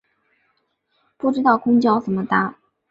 不知道公车怎么搭